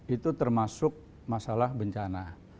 itu termasuk masalah bencana